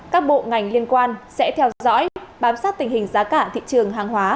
các bộ ngành liên quan sẽ theo dõi bám sát tình hình giá cả thị trường hàng hóa